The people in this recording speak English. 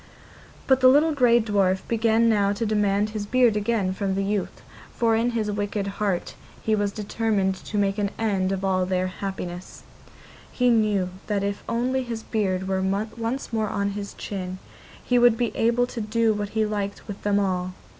But the little grey dwarf began now to demand his beard again from the youth, for in his wicked heart he was determined to make an end of all their happiness; he knew that if only his beard were once more on his chin, he would be able to do what he liked with them all.